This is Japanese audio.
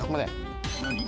何？